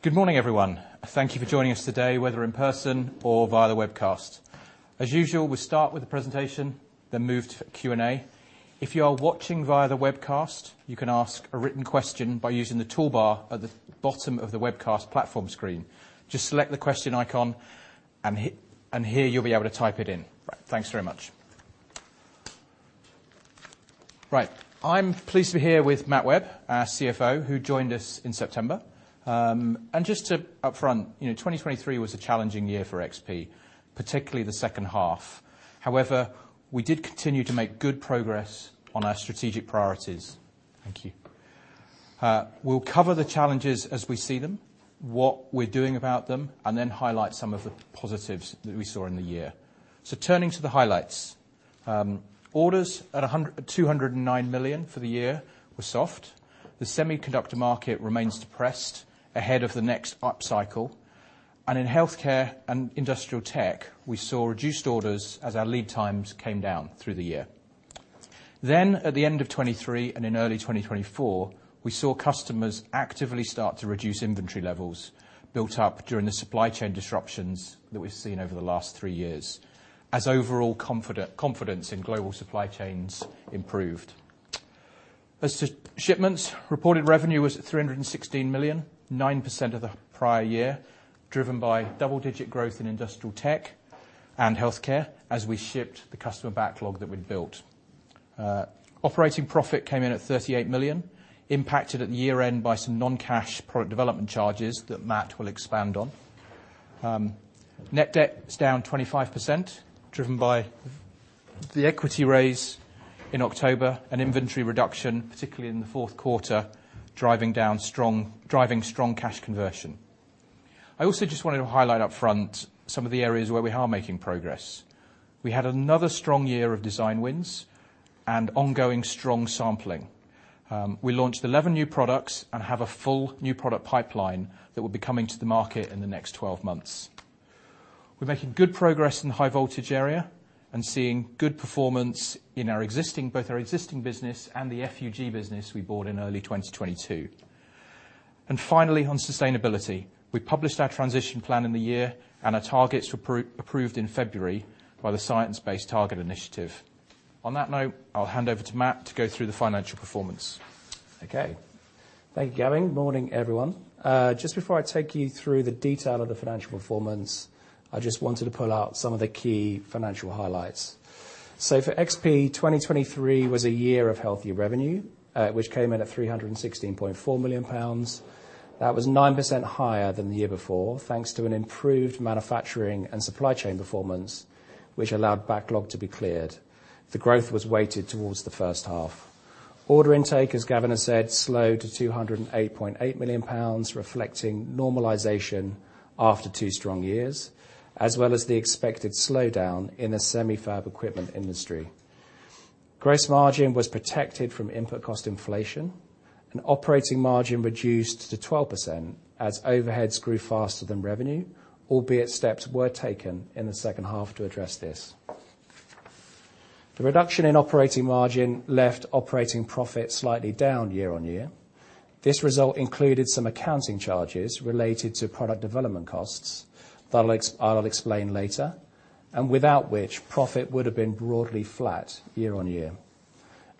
Good morning, everyone. Thank you for joining us today, whether in person or via the webcast. As usual, we start with the presentation, then move to Q&A. If you are watching via the webcast, you can ask a written question by using the toolbar at the bottom of the webcast platform screen. Just select the question icon, and here you'll be able to type it in. Right. Thanks very much. Right, I'm pleased to be here with Matt Webb, our CFO, who joined us in September. And just to upfront, you know, 2023 was a challenging year for XP, particularly the second half. However, we did continue to make good progress on our strategic priorities. Thank you. We'll cover the challenges as we see them, what we're doing about them, and then highlight some of the positives that we saw in the year. So turning to the highlights, orders at 209 million for the year were soft. The semiconductor market remains depressed ahead of the next upcycle, and in healthcare and industrial tech, we saw reduced orders as our lead times came down through the year. Then, at the end of 2023 and in early 2024, we saw customers actively start to reduce inventory levels built up during the supply chain disruptions that we've seen over the last three years, as overall confidence in global supply chains improved. As to shipments, reported revenue was at 316 million, 9% of the prior year, driven by double-digit growth in industrial tech and healthcare as we shipped the customer backlog that we'd built. Operating profit came in at 38 million, impacted at the year-end by some non-cash product development charges that Matt will expand on. Net debt is down 25%, driven by the equity raise in October and inventory reduction, particularly in the fourth quarter, driving strong cash conversion. I also just wanted to highlight upfront some of the areas where we are making progress. We had another strong year of design wins and ongoing strong sampling. We launched 11 new products and have a full new product pipeline that will be coming to the market in the next 12 months. We're making good progress in the high voltage area and seeing good performance in both our existing business and the FuG business we bought in early 2022. Finally, on sustainability, we published our transition plan in the year, and our targets were approved in February by the Science Based Targets initiative. On that note, I'll hand over to Matt to go through the financial performance. Okay. Thank you, Gavin. Morning, everyone. Just before I take you through the detail of the financial performance, I just wanted to pull out some of the key financial highlights. For XP, 2023 was a year of healthy revenue, which came in at 316.4 million pounds. That was 9% higher than the year before, thanks to an improved manufacturing and supply chain performance, which allowed backlog to be cleared. The growth was weighted towards the first half. Order intake, as Gavin has said, slowed to 208.8 million pounds, reflecting normalization after two strong years, as well as the expected slowdown in the semi-fab equipment industry. Gross margin was protected from input cost inflation, and operating margin reduced to 12% as overheads grew faster than revenue, albeit steps were taken in the second half to address this. The reduction in operating margin left operating profit slightly down year-on-year. This result included some accounting charges related to product development costs that I'll explain later, and without which, profit would have been broadly flat year-on-year.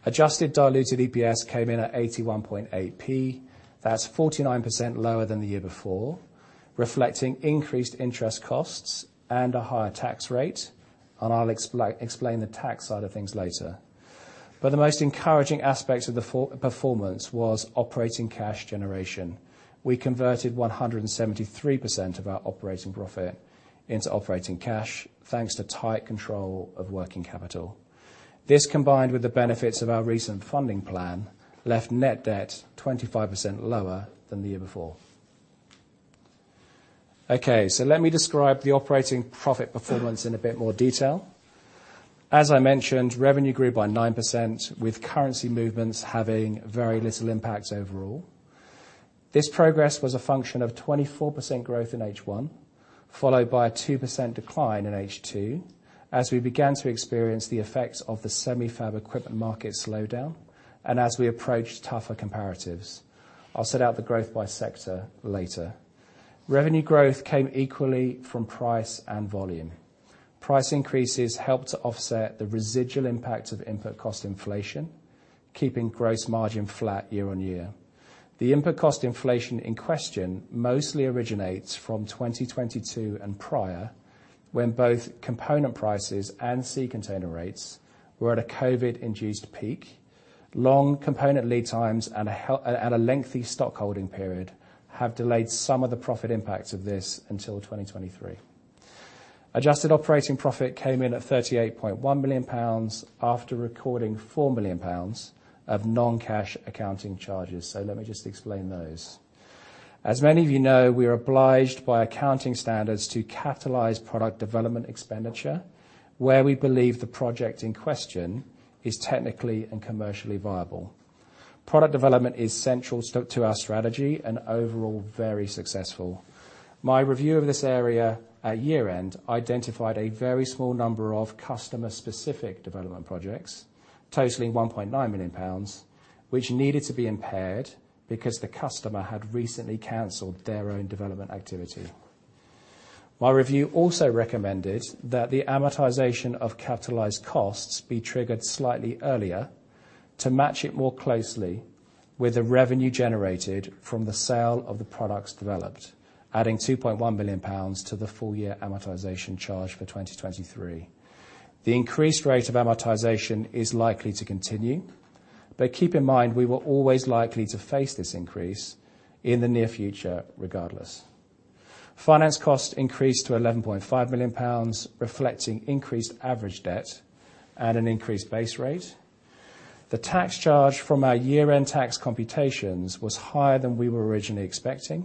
Adjusted diluted EPS came in at 81.8p. That's 49% lower than the year before, reflecting increased interest costs and a higher tax rate, and I'll explain the tax side of things later. But the most encouraging aspect of the performance was operating cash generation. We converted 173% of our operating profit into operating cash, thanks to tight control of working capital. This, combined with the benefits of our recent funding plan, left net debt 25% lower than the year before. Okay, so let me describe the operating profit performance in a bit more detail. As I mentioned, revenue grew by 9%, with currency movements having very little impact overall. This progress was a function of 24% growth in H1, followed by a 2% decline in H2 as we began to experience the effects of the semi-fab equipment market slowdown and as we approached tougher comparatives. I'll set out the growth by sector later. Revenue growth came equally from price and volume. Price increases helped to offset the residual impact of input cost inflation, keeping gross margin flat year-on-year. The input cost inflation in question mostly originates from 2022 and prior, when both component prices and sea container rates were at a COVID-induced peak. Long component lead times and a lengthy stock holding period have delayed some of the profit impacts of this until 2023. Adjusted operating profit came in at 38.1 million pounds, after recording 4 million pounds of non-cash accounting charges. So let me just explain those. As many of you know, we are obliged by accounting standards to capitalize product development expenditure, where we believe the project in question is technically and commercially viable. Product development is central to our strategy and overall very successful. My review of this area at year-end identified a very small number of customer-specific development projects, totaling 1.9 million pounds, which needed to be impaired because the customer had recently canceled their own development activity. My review also recommended that the amortization of capitalized costs be triggered slightly earlier to match it more closely with the revenue generated from the sale of the products developed, adding 2.1 million pounds to the full year amortization charge for 2023. The increased rate of amortization is likely to continue, but keep in mind, we were always likely to face this increase in the near future regardless. Finance costs increased to 11.5 million pounds, reflecting increased average debt at an increased base rate. The tax charge from our year-end tax computations was higher than we were originally expecting,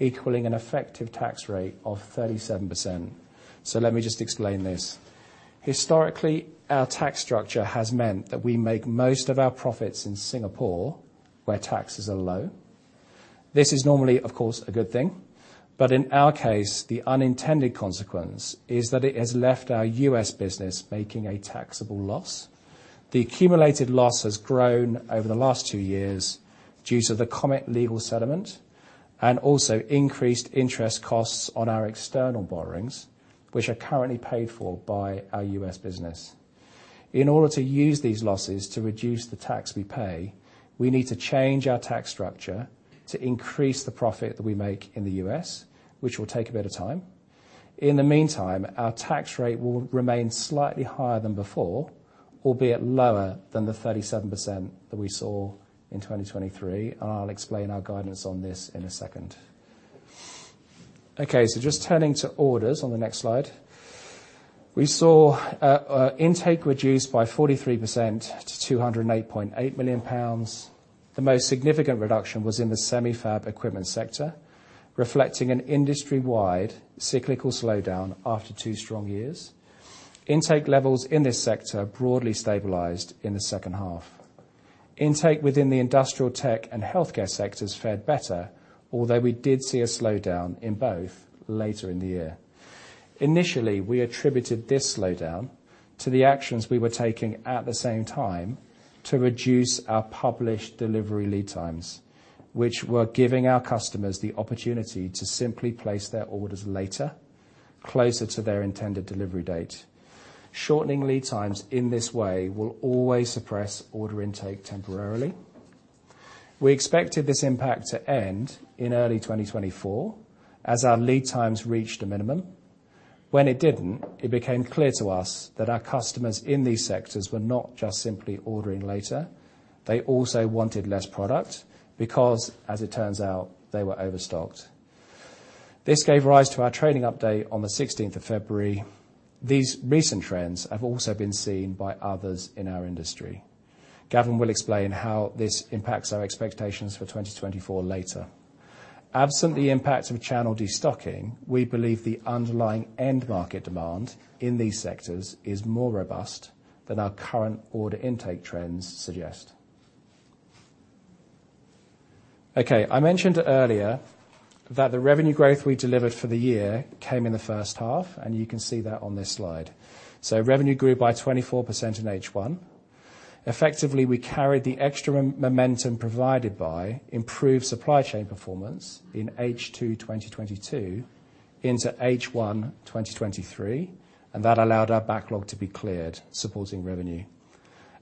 equaling an effective tax rate of 37%. So let me just explain this. Historically, our tax structure has meant that we make most of our profits in Singapore, where taxes are low. This is normally, of course, a good thing, but in our case, the unintended consequence is that it has left our U.S. business making a taxable loss. The accumulated loss has grown over the last two years due to the Comet legal settlement and also increased interest costs on our external borrowings, which are currently paid for by our U.S. business. In order to use these losses to reduce the tax we pay, we need to change our tax structure to increase the profit that we make in the U.S., which will take a bit of time. In the meantime, our tax rate will remain slightly higher than before, albeit lower than the 37% that we saw in 2023, and I'll explain our guidance on this in a second. Okay, so just turning to orders on the next slide. We saw intake reduced by 43% to 208.8 million pounds. The most significant reduction was in the semi-fab equipment sector, reflecting an industry-wide cyclical slowdown after two strong years. Intake levels in this sector broadly stabilized in the second half. Intake within the industrial tech and healthcare sectors fared better, although we did see a slowdown in both later in the year. Initially, we attributed this slowdown to the actions we were taking at the same time to reduce our published delivery lead times, which were giving our customers the opportunity to simply place their orders later, closer to their intended delivery date. Shortening lead times in this way will always suppress order intake temporarily. We expected this impact to end in early 2024 as our lead times reached a minimum. When it didn't, it became clear to us that our customers in these sectors were not just simply ordering later; they also wanted less product because, as it turns out, they were overstocked. This gave rise to our trading update on the 16th of February. These recent trends have also been seen by others in our industry. Gavin will explain how this impacts our expectations for 2024 later. Absent the impact of channel destocking, we believe the underlying end market demand in these sectors is more robust than our current order intake trends suggest. Okay, I mentioned earlier that the revenue growth we delivered for the year came in the first half, and you can see that on this slide. So revenue grew by 24% in H1. Effectively, we carried the extra momentum provided by improved supply chain performance in H2 2022 into H1 2023, and that allowed our backlog to be cleared, supporting revenue.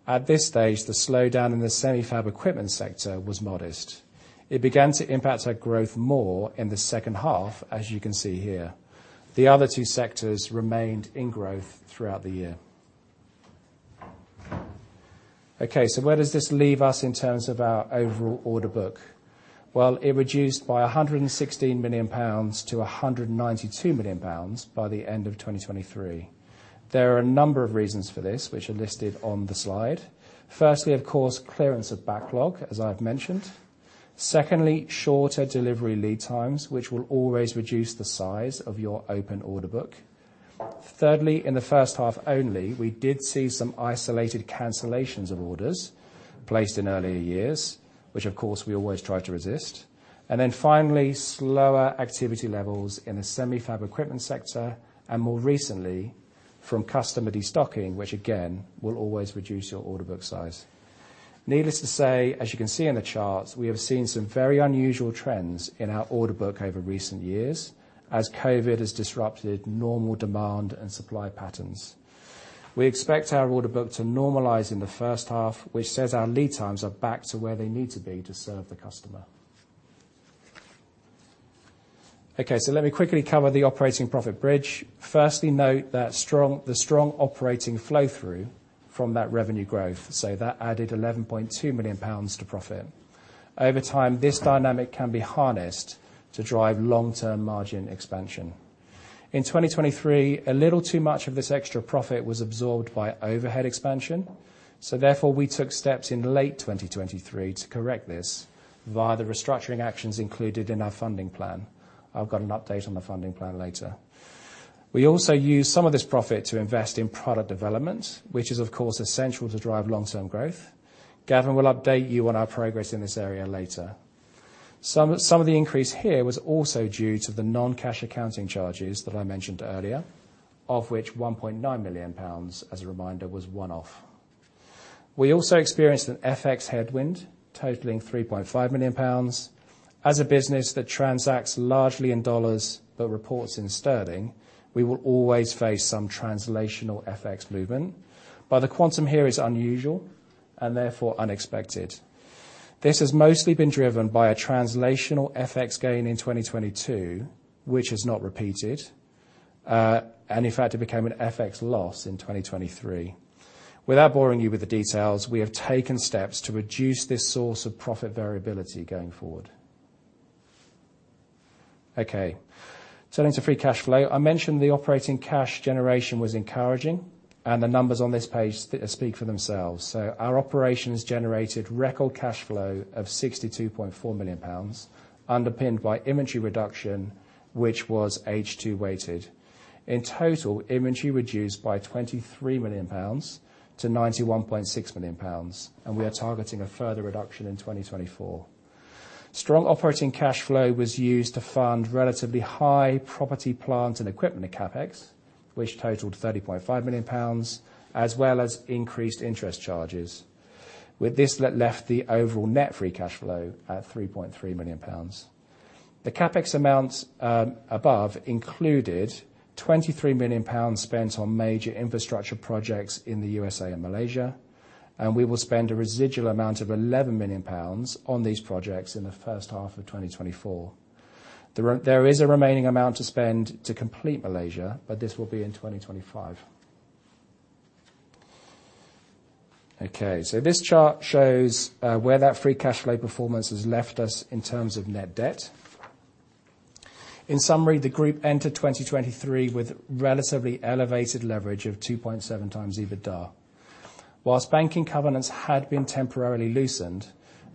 At this stage, the slowdown in the semi-fab equipment sector was modest. It began to impact our growth more in the second half, as you can see here. The other two sectors remained in growth throughout the year. Okay, so where does this leave us in terms of our overall order book? Well, it reduced by 116 million pounds to 192 million pounds by the end of 2023. There are a number of reasons for this, which are listed on the slide. Firstly, of course, clearance of backlog, as I've mentioned. Secondly, shorter delivery lead times, which will always reduce the size of your open order book. Thirdly, in the first half only, we did see some isolated cancellations of orders placed in earlier years, which of course, we always try to resist. And then finally, slower activity levels in the semi-fab equipment sector, and more recently, from customer destocking, which again, will always reduce your order book size. Needless to say, as you can see in the charts, we have seen some very unusual trends in our order book over recent years as COVID has disrupted normal demand and supply patterns. We expect our order book to normalize in the first half, which says our lead times are back to where they need to be to serve the customer. Okay, so let me quickly cover the operating profit bridge. Firstly, note that the strong operating flow through from that revenue growth, so that added 11.2 million pounds to profit. Over time, this dynamic can be harnessed to drive long-term margin expansion. In 2023, a little too much of this extra profit was absorbed by overhead expansion, so therefore, we took steps in late 2023 to correct this via the restructuring actions included in our funding plan. I've got an update on the funding plan later.... We also used some of this profit to invest in product development, which is, of course, essential to drive long-term growth. Gavin will update you on our progress in this area later. Some of the increase here was also due to the non-cash accounting charges that I mentioned earlier, of which 1.9 million pounds, as a reminder, was one-off. We also experienced an FX headwind totaling 3.5 million pounds. As a business that transacts largely in dollars but reports in sterling, we will always face some translational FX movement, but the quantum here is unusual, and therefore unexpected. This has mostly been driven by a translational FX gain in 2022, which is not repeated, and in fact, it became an FX loss in 2023. Without boring you with the details, we have taken steps to reduce this source of profit variability going forward. Okay, turning to free cash flow. I mentioned the operating cash generation was encouraging, and the numbers on this page speak for themselves. So our operations generated record cash flow of 62.4 million pounds, underpinned by inventory reduction, which was H2 weighted. In total, inventory reduced by 23 million pounds to 91.6 million pounds, and we are targeting a further reduction in 2024. Strong operating cash flow was used to fund relatively high property, plant, and equipment CapEx, which totaled 30.5 million pounds, as well as increased interest charges. With this, that left the overall net free cash flow at 3.3 million pounds. The CapEx amounts above included 23 million pounds spent on major infrastructure projects in the USA and Malaysia, and we will spend a residual amount of 11 million pounds on these projects in the first half of 2024. There is a remaining amount to spend to complete Malaysia, but this will be in 2025. Okay, so this chart shows where that free cash flow performance has left us in terms of net debt. In summary, the group entered 2023 with relatively elevated leverage of 2.7x EBITDA. While banking covenants had been temporarily loosened,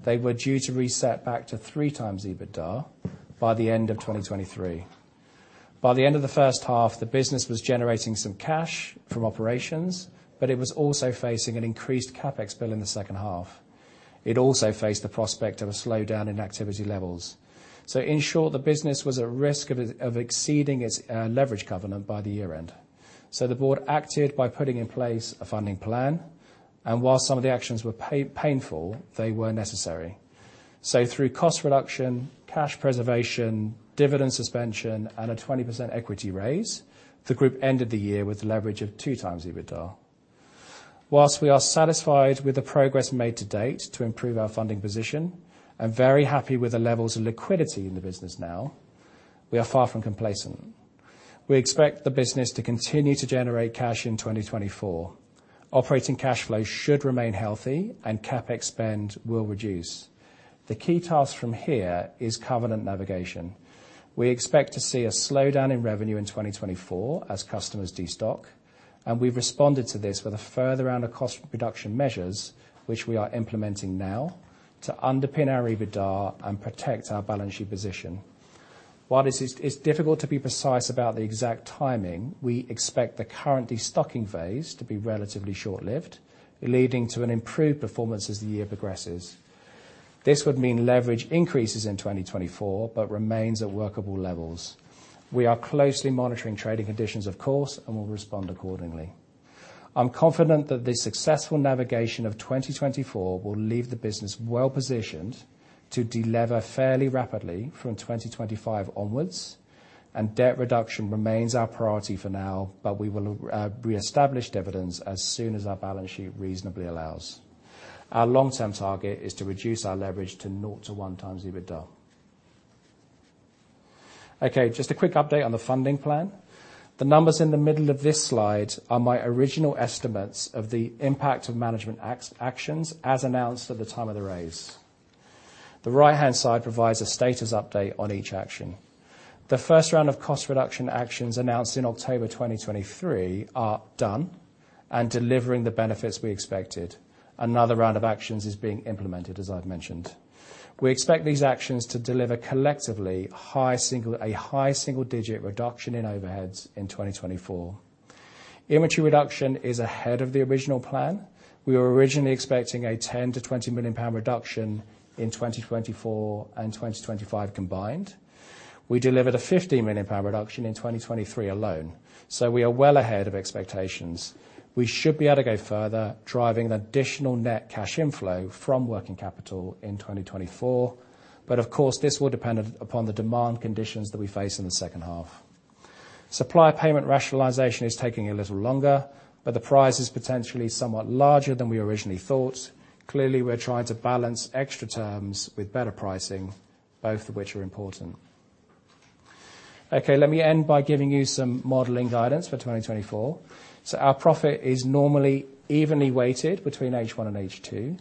they were due to reset back to 3 times EBITDA by the end of 2023. By the end of the first half, the business was generating some cash from operations, but it was also facing an increased CapEx bill in the second half. It also faced the prospect of a slowdown in activity levels. So in short, the business was at risk of exceeding its leverage covenant by the year end. So the board acted by putting in place a funding plan, and while some of the actions were painful, they were necessary. So through cost reduction, cash preservation, dividend suspension, and a 20% equity raise, the group ended the year with a leverage of 2 times EBITDA. While we are satisfied with the progress made to date to improve our funding position, and very happy with the levels of liquidity in the business now, we are far from complacent. We expect the business to continue to generate cash in 2024. Operating cash flow should remain healthy and CapEx spend will reduce. The key task from here is covenant navigation. We expect to see a slowdown in revenue in 2024 as customers destock, and we've responded to this with a further round of cost reduction measures, which we are implementing now, to underpin our EBITDA and protect our balance sheet position. While it's difficult to be precise about the exact timing, we expect the current destocking phase to be relatively short-lived, leading to an improved performance as the year progresses. This would mean leverage increases in 2024, but remains at workable levels. We are closely monitoring trading conditions, of course, and will respond accordingly. I'm confident that the successful navigation of 2024 will leave the business well positioned to delever fairly rapidly from 2025 onwards, and debt reduction remains our priority for now, but we will reestablish dividends as soon as our balance sheet reasonably allows. Our long-term target is to reduce our leverage to 0 to 1 times EBITDA. Okay, just a quick update on the funding plan. The numbers in the middle of this slide are my original estimates of the impact of management actions, as announced at the time of the raise. The right-hand side provides a status update on each action. The first round of cost reduction actions announced in October 2023 are done and delivering the benefits we expected. Another round of actions is being implemented, as I've mentioned. We expect these actions to deliver collectively a high single-digit reduction in overheads in 2024. Inventory reduction is ahead of the original plan. We were originally expecting a 10 million-20 million pound reduction in 2024 and 2025 combined. We delivered a 50 million pound reduction in 2023 alone, so we are well ahead of expectations. We should be able to go further, driving additional net cash inflow from working capital in 2024. But of course, this will depend upon the demand conditions that we face in the second half. Supplier payment rationalization is taking a little longer, but the prize is potentially somewhat larger than we originally thought. Clearly, we're trying to balance extra terms with better pricing, both of which are important. Okay, let me end by giving you some modeling guidance for 2024. So our profit is normally evenly weighted between H1 and H2.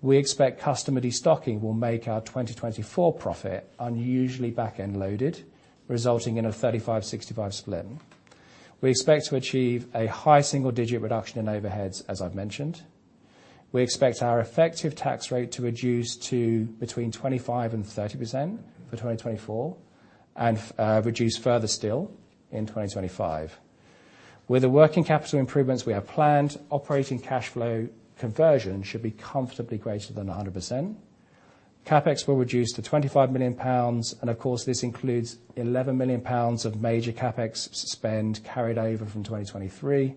We expect customer destocking will make our 2024 profit unusually back-end loaded, resulting in a 35-65 split. We expect to achieve a high single-digit reduction in overheads, as I've mentioned. We expect our effective tax rate to reduce to between 25%-30% for 2024, and reduce further still in 2025. With the working capital improvements we have planned, operating cash flow conversion should be comfortably greater than 100%. CapEx will reduce to 25 million pounds, and of course, this includes 11 million pounds of major CapEx spend carried over from 2023,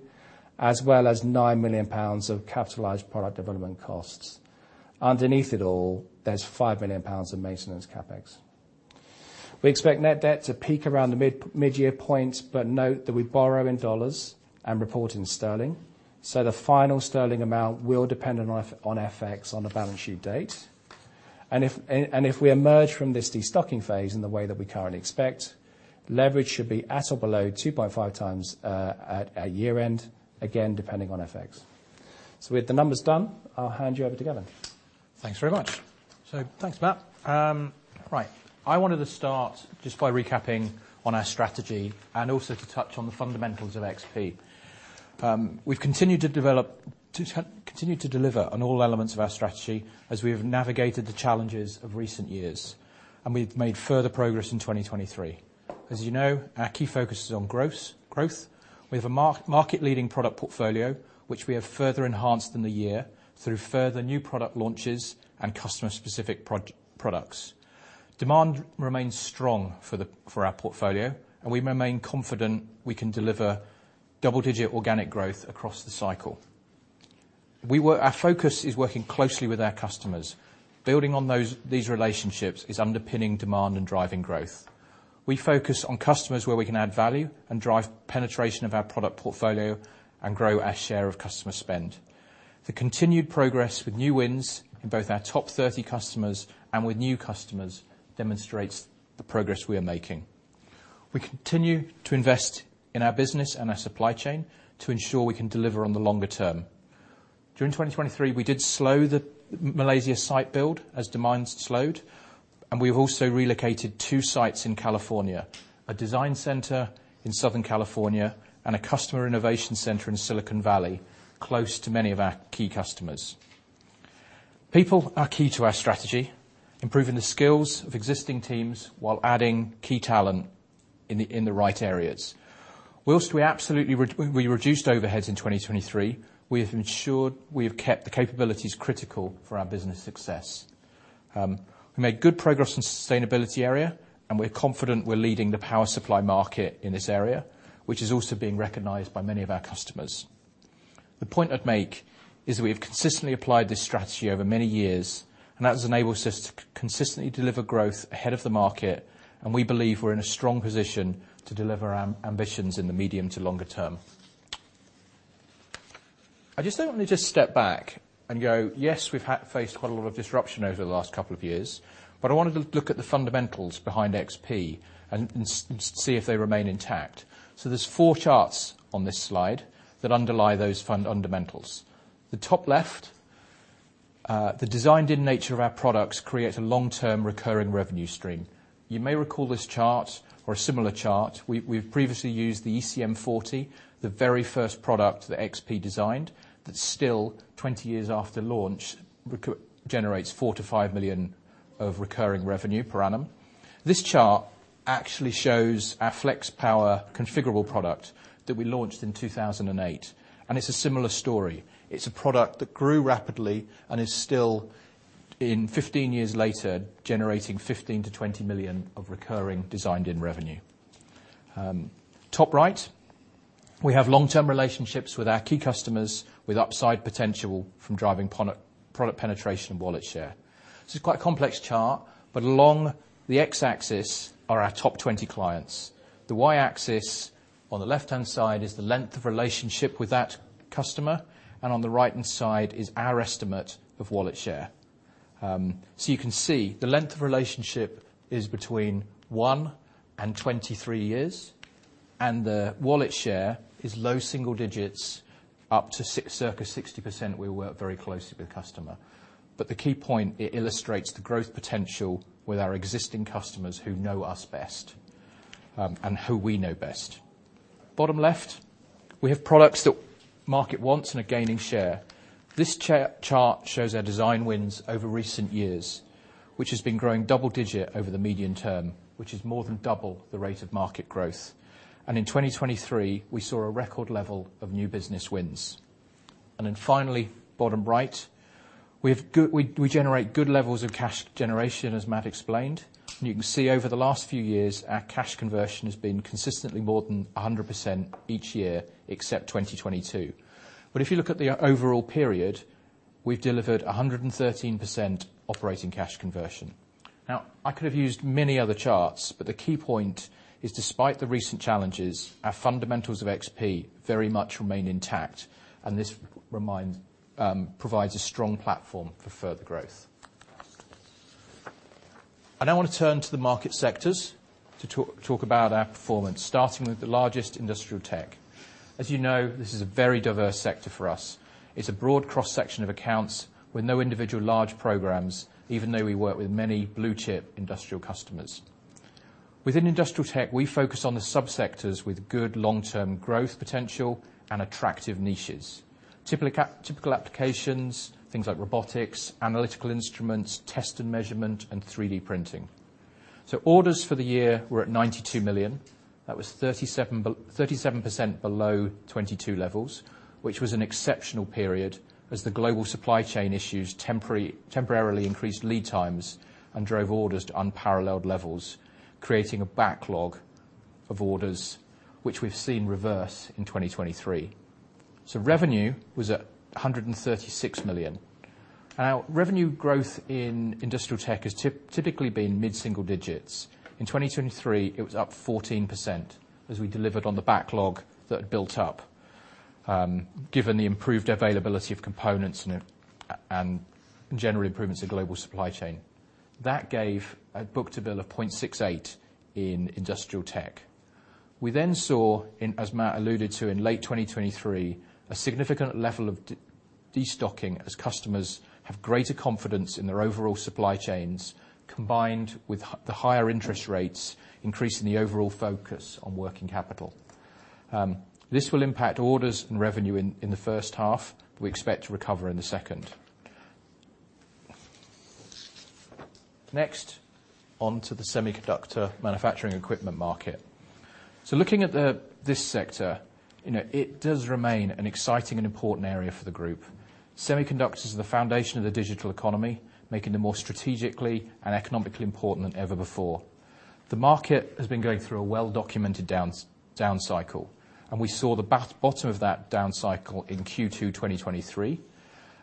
as well as 9 million pounds of capitalized product development costs. Underneath it all, there's 5 million pounds in maintenance CapEx. We expect net debt to peak around the mid-year point, but note that we borrow in dollars and report in sterling, so the final sterling amount will depend on FX on the balance sheet date. And if we emerge from this destocking phase in the way that we currently expect, leverage should be at or below 2.5 times at year-end, again, depending on FX. So with the numbers done, I'll hand you over to Gavin. Thanks very much. So thanks, Matt. Right. I wanted to start just by recapping on our strategy, and also to touch on the fundamentals of XP. We've continued to deliver on all elements of our strategy as we have navigated the challenges of recent years, and we've made further progress in 2023. As you know, our key focus is on growth. We have a market-leading product portfolio, which we have further enhanced in the year through further new product launches and customer-specific products. Demand remains strong for our portfolio, and we remain confident we can deliver double-digit organic growth across the cycle. Our focus is working closely with our customers. Building on these relationships is underpinning demand and driving growth. We focus on customers where we can add value and drive penetration of our product portfolio and grow our share of customer spend. The continued progress with new wins in both our top 30 customers and with new customers demonstrates the progress we are making. We continue to invest in our business and our supply chain to ensure we can deliver on the longer term. During 2023, we did slow the Malaysia site build as demands slowed, and we've also relocated two sites in California, a design center in Southern California, and a customer innovation center in Silicon Valley, close to many of our key customers. People are key to our strategy, improving the skills of existing teams while adding key talent in the right areas. We reduced overheads in 2023. We have ensured we have kept the capabilities critical for our business success. We made good progress in sustainability area, and we're confident we're leading the power supply market in this area, which is also being recognized by many of our customers. The point I'd make is that we have consistently applied this strategy over many years, and that has enabled us to consistently deliver growth ahead of the market, and we believe we're in a strong position to deliver ambitions in the medium to longer term. I just want to step back and go, yes, we've faced quite a lot of disruption over the last couple of years, but I wanted to look at the fundamentals behind XP and see if they remain intact. So there's four charts on this slide that underlie those fundamentals. The top left, the designed-in nature of our products create a long-term recurring revenue stream. You may recall this chart or a similar chart. We've previously used the ECM 40, the very first product that XP designed, that still, 20 years after launch, generates 4-5 million of recurring revenue per annum. This chart actually shows our FlexPower configurable product that we launched in 2008, and it's a similar story. It's a product that grew rapidly and is still, 15 years later, generating 15-20 million of recurring designed-in revenue. Top right, we have long-term relationships with our key customers, with upside potential from driving product penetration and wallet share. This is quite a complex chart, but along the X-axis are our top 20 clients. The Y-axis, on the left-hand side, is the length of relationship with that customer, and on the right-hand side is our estimate of wallet share. So you can see the length of relationship is between 1 and 23 years, and the wallet share is low single digits, up to circa 60%, we work very closely with the customer. But the key point, it illustrates the growth potential with our existing customers who know us best, and who we know best. Bottom left, we have products that market wants and are gaining share. This chart shows our design wins over recent years, which has been growing double-digit over the medium term, which is more than double the rate of market growth. And in 2023, we saw a record level of new business wins. And then finally, bottom right, we have good—we generate good levels of cash generation, as Matt explained. You can see over the last few years, our cash conversion has been consistently more than 100% each year, except 2022. But if you look at the overall period, we've delivered 113% operating cash conversion. Now, I could have used many other charts, but the key point is, despite the recent challenges, our fundamentals of XP very much remain intact, and this reminder provides a strong platform for further growth. I now want to turn to the market sectors to talk about our performance, starting with the largest, industrial tech. As you know, this is a very diverse sector for us. It's a broad cross-section of accounts with no individual large programs, even though we work with many blue-chip industrial customers.... Within industrial tech, we focus on the subsectors with good long-term growth potential and attractive niches. Typical applications, things like robotics, analytical instruments, test and measurement, and 3D printing. So orders for the year were at 92 million. That was 37% below 2022 levels, which was an exceptional period, as the global supply chain issues temporarily increased lead times and drove orders to unparalleled levels, creating a backlog of orders, which we've seen reverse in 2023. So revenue was at 136 million. Now, revenue growth in industrial tech has typically been mid-single digits. In 2023, it was up 14%, as we delivered on the backlog that had built up, given the improved availability of components and general improvements in global supply chain. That gave a book-to-bill of 0.68 in industrial tech. We then saw in, as Matt alluded to, in late 2023, a significant level of destocking as customers have greater confidence in their overall supply chains, combined with the higher interest rates, increasing the overall focus on working capital. This will impact orders and revenue in the first half, but we expect to recover in the second. Next, on to the semiconductor manufacturing equipment market. So looking at this sector, you know, it does remain an exciting and important area for the group. Semiconductors are the foundation of the digital economy, making them more strategically and economically important than ever before. The market has been going through a well-documented down cycle, and we saw the bottom of that down cycle in Q2 2023,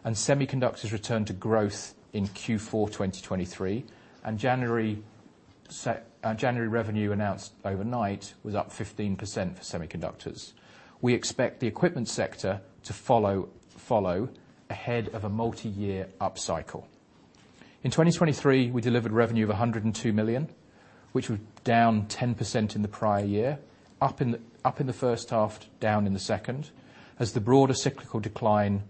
and semiconductors returned to growth in Q4 2023, and January revenue announced overnight was up 15% for semiconductors. We expect the equipment sector to follow ahead of a multiyear upcycle. In 2023, we delivered revenue of 102 million, which was down 10% in the prior year, up in the first half, down in the second, as the broader cyclical decline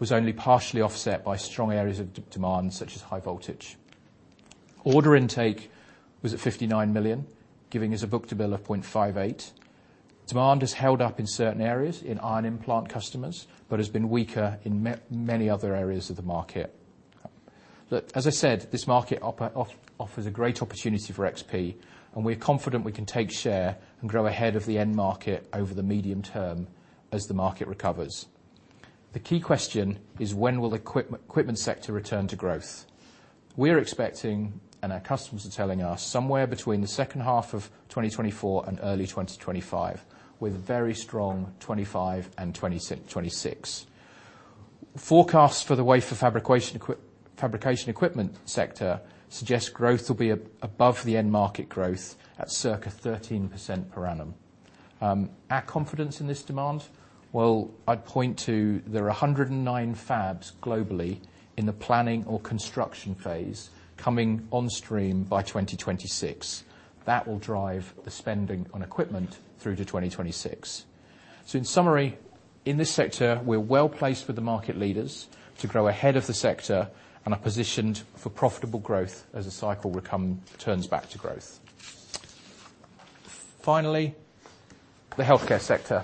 was only partially offset by strong areas of demand, such as high voltage. Order intake was at 59 million, giving us a book-to-bill of 0.58. Demand has held up in certain areas, in ion implant customers, but has been weaker in many other areas of the market. Look, as I said, this market offer offers a great opportunity for XP, and we're confident we can take share and grow ahead of the end market over the medium term as the market recovers. The key question is: when will the equipment sector return to growth? We're expecting, and our customers are telling us, somewhere between the second half of 2024 and early 2025, with a very strong 2025 and 2026, 2026. Forecasts for the wafer fabrication equipment sector suggests growth will be above the end market growth at circa 13% per annum. Our confidence in this demand, well, I'd point to there are 109 fabs globally in the planning or construction phase, coming on stream by 2026. That will drive the spending on equipment through to 2026. So in summary, in this sector, we're well placed with the market leaders to grow ahead of the sector and are positioned for profitable growth as the cycle turns back to growth. Finally, the healthcare sector,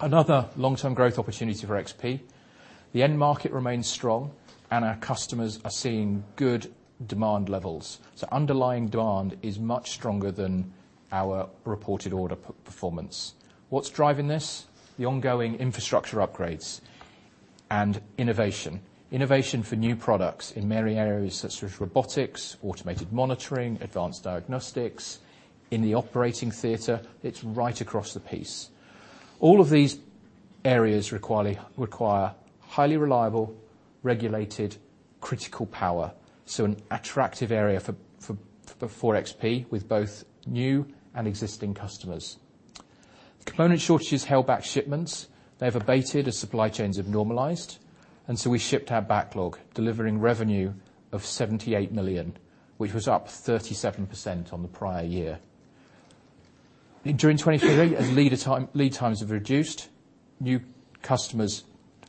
another long-term growth opportunity for XP. The end market remains strong, and our customers are seeing good demand levels, so underlying demand is much stronger than our reported order performance. What's driving this? The ongoing infrastructure upgrades and innovation. Innovation for new products in many areas, such as robotics, automated monitoring, advanced diagnostics, in the operating theater. It's right across the piece. All of these areas require highly reliable, regulated, critical power, so an attractive area for XP with both new and existing customers. Component shortages held back shipments. They've abated as supply chains have normalized, and so we shipped our backlog, delivering revenue of 78 million, which was up 37% on the prior year. During 2023, as lead times have reduced, new customers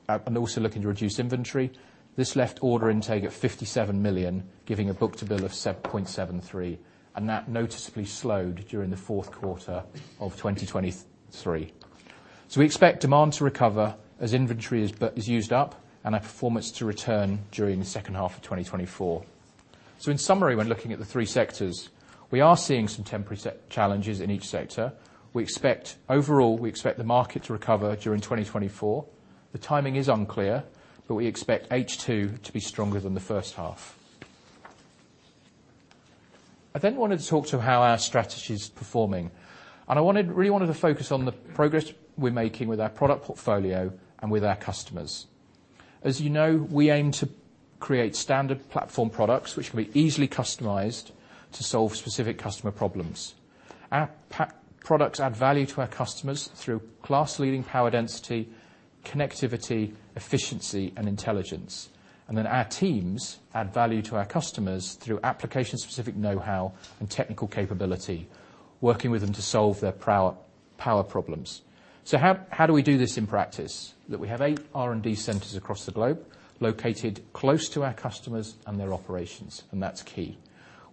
are also looking to reduce inventory. This left order intake at 57 million, giving a book-to-bill of 0.73, and that noticeably slowed during the fourth quarter of 2023. So we expect demand to recover as inventory is used up, and our performance to return during the second half of 2024. So in summary, when looking at the three sectors, we are seeing some temporary sector challenges in each sector. We expect... Overall, we expect the market to recover during 2024. The timing is unclear, but we expect H2 to be stronger than the first half. I then wanted to talk to how our strategy is performing, and I wanted, really wanted to focus on the progress we're making with our product portfolio and with our customers. As you know, we aim to create standard platform products which can be easily customized to solve specific customer problems. Our products add value to our customers through class-leading power density, connectivity, efficiency, and intelligence, and then our teams add value to our customers through application-specific know-how and technical capability, working with them to solve their power problems. So how do we do this in practice? That we have 8 R&D centers across the globe, located close to our customers and their operations, and that's key.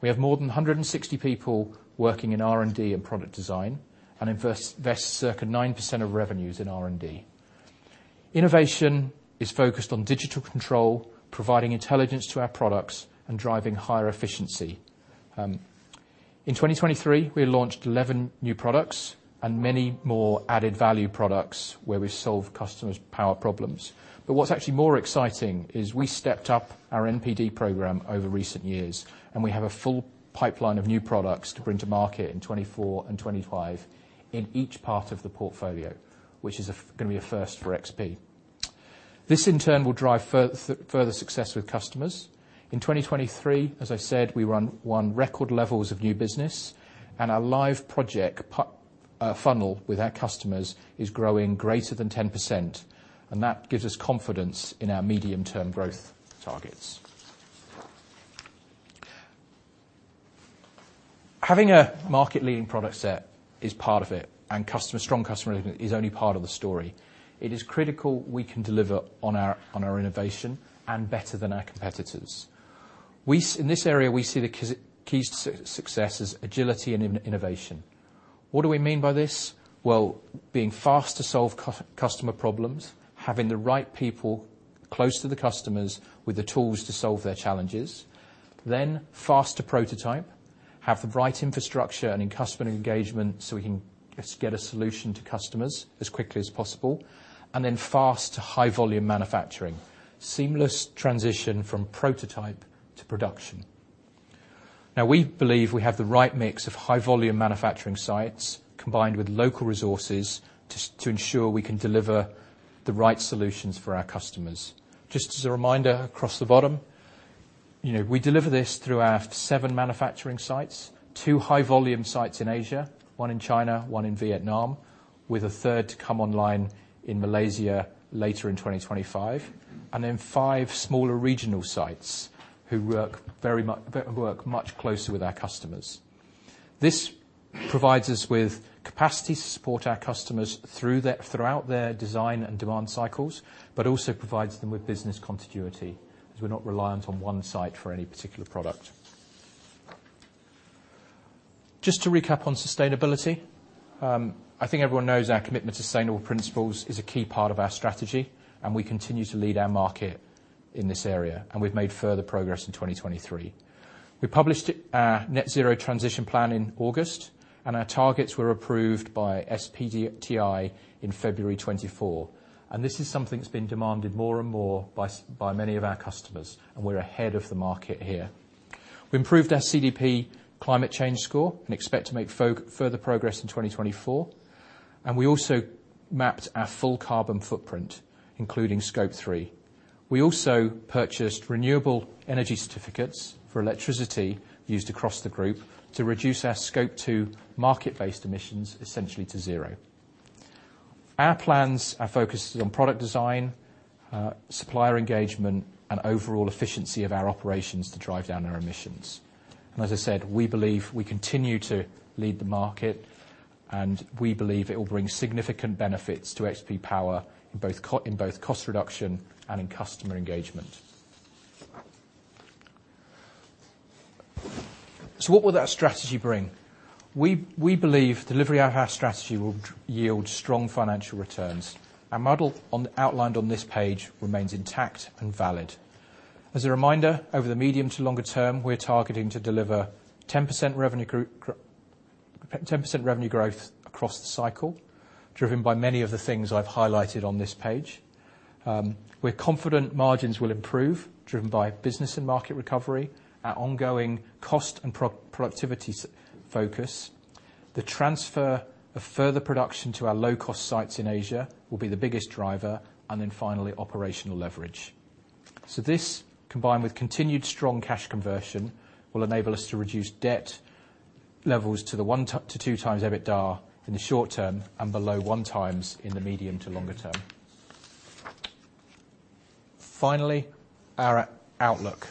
We have more than 160 people working in R&D and product design, and invest circa 9% of revenues in R&D. Innovation is focused on digital control, providing intelligence to our products, and driving higher efficiency. In 2023, we launched 11 new products and many more added value products where we solve customers' power problems. But what's actually more exciting is we stepped up our NPD program over recent years, and we have a full pipeline of new products to bring to market in 2024 and 2025 in each part of the portfolio, which is gonna be a first for XP. This, in turn, will drive further success with customers. In 2023, as I said, we won record levels of new business, and our live project funnel with our customers is growing greater than 10%, and that gives us confidence in our medium-term growth targets. Having a market-leading product set is part of it, and strong customer is only part of the story. It is critical we can deliver on our, on our innovation and better than our competitors. We in this area, we see the key successes, agility and innovation. What do we mean by this? Well, being fast to solve customer problems, having the right people close to the customers with the tools to solve their challenges, then fast to prototype, have the right infrastructure and in customer engagement so we can get a solution to customers as quickly as possible, and then fast to high volume manufacturing. Seamless transition from prototype to production. Now, we believe we have the right mix of high-volume manufacturing sites, combined with local resources, to, to ensure we can deliver the right solutions for our customers. Just as a reminder, across the bottom, you know, we deliver this through our seven manufacturing sites, two high-volume sites in Asia, one in China, one in Vietnam, with a third to come online in Malaysia later in 2025, and then five smaller regional sites, who work very much closer with our customers. This provides us with capacity to support our customers throughout their design and demand cycles, but also provides them with business continuity, as we're not reliant on one site for any particular product. Just to recap on sustainability, I think everyone knows our commitment to sustainable principles is a key part of our strategy, and we continue to lead our market in this area, and we've made further progress in 2023. We published net zero transition plan in August, and our targets were approved by SBTi in February 2024, and this is something that's been demanded more and more by by many of our customers, and we're ahead of the market here. We improved our CDP climate change score and expect to make further progress in 2024, and we also mapped our full carbon footprint, including Scope 3. We also purchased renewable energy certificates for electricity used across the group to reduce our Scope 2 market-based emissions, essentially to zero. Our plans are focused on product design, supplier engagement, and overall efficiency of our operations to drive down our emissions. And as I said, we believe we continue to lead the market, and we believe it will bring significant benefits to XP Power, in both in both cost reduction and in customer engagement. So what will that strategy bring? We believe delivery of our strategy will yield strong financial returns. Our model outlined on this page remains intact and valid. As a reminder, over the medium to longer term, we're targeting to deliver 10% revenue growth across the cycle, driven by many of the things I've highlighted on this page. We're confident margins will improve, driven by business and market recovery, our ongoing cost and productivity focus. The transfer of further production to our low-cost sites in Asia will be the biggest driver, and then finally, operational leverage. So this, combined with continued strong cash conversion, will enable us to reduce debt levels to the one to two times EBITDA in the short term and below one times in the medium to longer term. Finally, our outlook.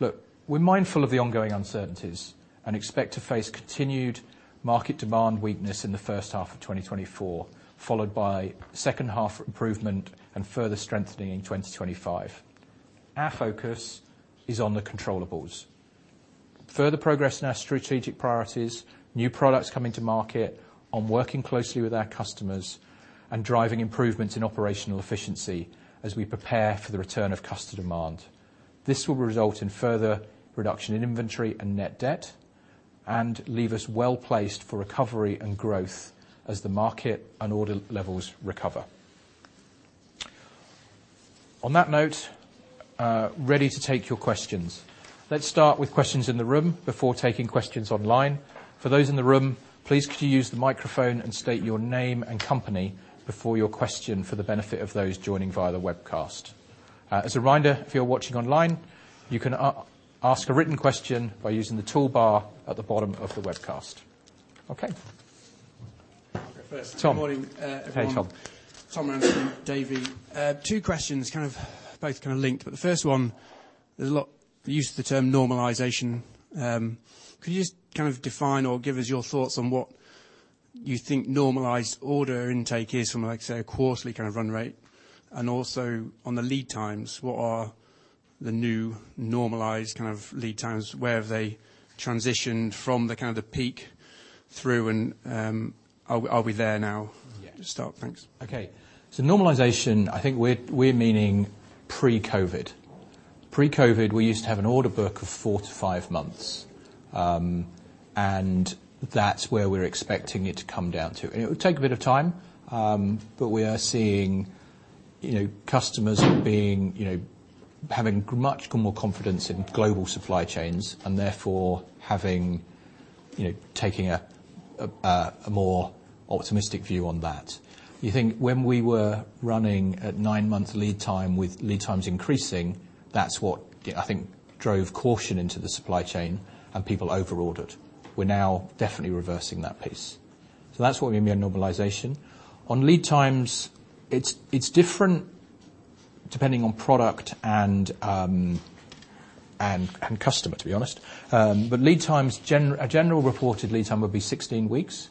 Look, we're mindful of the ongoing uncertainties and expect to face continued market demand weakness in the first half of 2024, followed by second-half improvement and further strengthening in 2025. Our focus is on the controllables. Further progress in our strategic priorities, new products coming to market, on working closely with our customers, and driving improvements in operational efficiency as we prepare for the return of customer demand. This will result in further reduction in inventory and net debt, and leave us well placed for recovery and growth as the market and order levels recover. On that note, ready to take your questions. Let's start with questions in the room before taking questions online. For those in the room, please could you use the microphone and state your name and company before your question for the benefit of those joining via the webcast? As a reminder, if you're watching online, you can ask a written question by using the toolbar at the bottom of the webcast. Okay. ...First, good morning, everyone. Hey, Tom. Tom Ransome, Davy. Two questions, kind of, both kind of linked, but the first one, there's a lot use of the term normalization. Could you just kind of define or give us your thoughts on what you think normalized order intake is from, like, say, a quarterly kind of run rate? And also, on the lead times, what are the new normalized kind of lead times? Where have they transitioned from the kind of the peak through and, are we, are we there now? Yeah. -to start? Thanks. Okay, so normalization, I think we're meaning pre-COVID. Pre-COVID, we used to have an order book of 4-5 months. And that's where we're expecting it to come down to. And it will take a bit of time, but we are seeing, you know, customers being, you know, having much more confidence in global supply chains, and therefore having, you know, taking a more optimistic view on that. You think when we were running at 9-month lead time, with lead times increasing, that's what, I think drove caution into the supply chain, and people over-ordered. We're now definitely reversing that pace. So that's what we mean by normalization. On lead times, it's different depending on product and, and customer, to be honest. But lead times, a general reported lead time would be 16 weeks.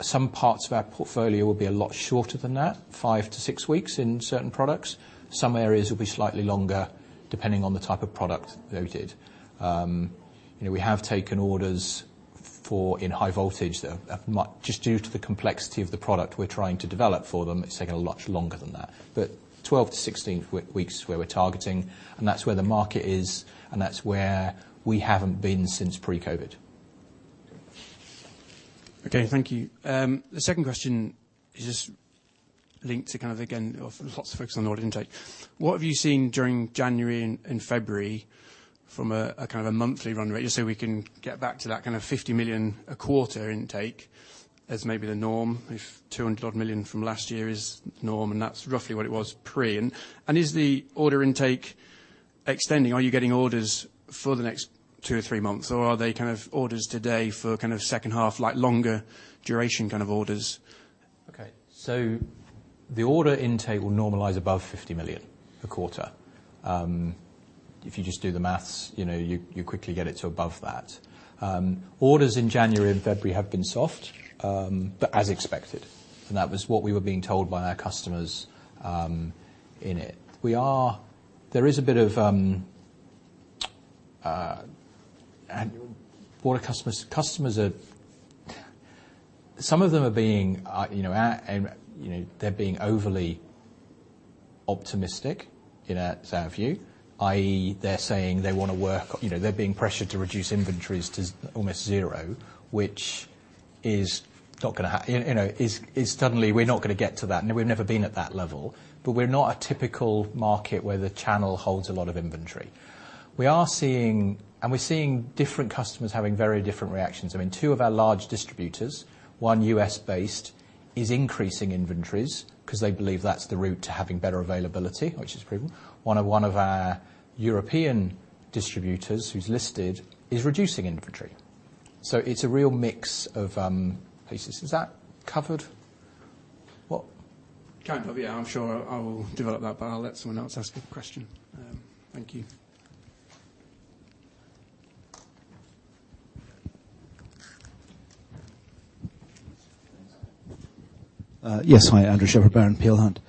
Some parts of our portfolio will be a lot shorter than that, 5-6 weeks in certain products. Some areas will be slightly longer, depending on the type of product noted. You know, we have taken orders for, in high voltage, that just due to the complexity of the product we're trying to develop for them, it's taking a lot longer than that. But 12-16 weeks is where we're targeting, and that's where the market is, and that's where we haven't been since pre-COVID. Okay, thank you. The second question is just linked to, kind of, again, lots of focus on order intake. What have you seen during January and, and February from a, a kind of a monthly run rate, just so we can get back to that, kind of, 50 million a quarter intake as maybe the norm, if 200-odd million from last year is the norm, and that's roughly what it was pre? And, and is the order intake extending? Are you getting orders for the next two or three months, or are they kind of orders today for kind of second half, like, longer duration kind of orders? Okay, so the order intake will normalize above 50 million a quarter. If you just do the math, you know, you quickly get it to above that. Orders in January and February have been soft, but as expected, and that was what we were being told by our customers in it. We are. There is a bit of and order customers, customers are. Some of them are being, you know, and, you know, they're being overly optimistic in our view, i.e., they're saying they wanna work, you know, they're being pressured to reduce inventories to almost zero, which is not gonna happen, you know, is suddenly we're not gonna get to that, and we've never been at that level. But we're not a typical market where the channel holds a lot of inventory. We are seeing. We're seeing different customers having very different reactions. I mean, two of our large distributors, one U.S.-based, is increasing inventories 'cause they believe that's the route to having better availability, which is critical. One of our European distributors, who's listed, is reducing inventory. So it's a real mix of pieces. Is that covered? What- Kind of, yeah. I'm sure I will develop that, but I'll let someone else ask a question. Thank you. Yes. Hi, Andrew Shepherd from Peel Hunt.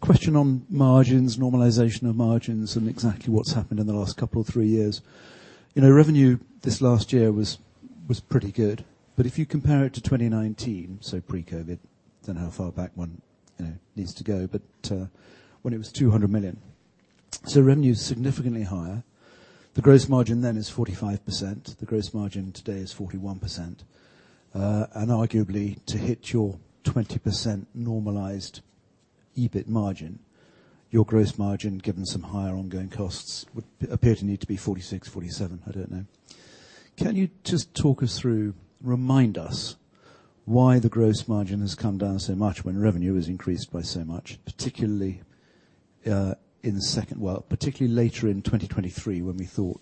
Question on margins, normalization of margins, and exactly what's happened in the last couple or three years. You know, revenue this last year was pretty good, but if you compare it to 2019, so pre-COVID, don't know how far back one, you know, needs to go, but when it was 200 million. So revenue's significantly higher. The gross margin then is 45%. The gross margin today is 41%. And arguably, to hit your 20% normalized EBIT margin, your gross margin, given some higher ongoing costs, would appear to need to be 46%-47%. I don't know. Can you just talk us through, remind us why the gross margin has come down so much when revenue has increased by so much, particularly in the second... Well, particularly later in 2023, when we thought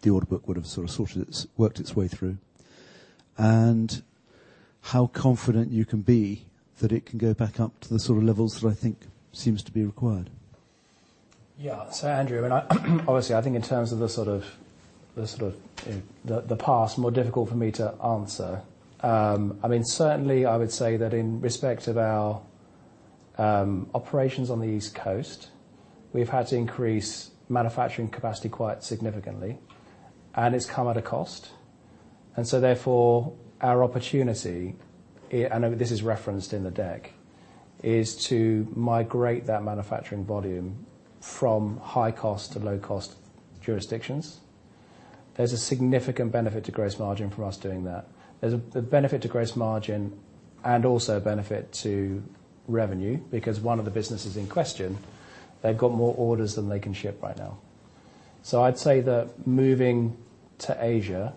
the order book would have sort of sorted its, worked its way through? And how confident you can be that it can go back up to the sort of levels that I think seems to be required. Yeah. So, Andrew, when I obviously, I think in terms of the sort of past, more difficult for me to answer. I mean, certainly I would say that in respect of our operations on the East Coast, we've had to increase manufacturing capacity quite significantly, and it's come at a cost, and so therefore, our opportunity, and I know this is referenced in the deck, is to migrate that manufacturing volume from high-cost to low-cost jurisdictions. There's a significant benefit to gross margin for us doing that. There's a benefit to gross margin and also a benefit to revenue, because one of the businesses in question, they've got more orders than they can ship right now. So I'd say that moving to Asia,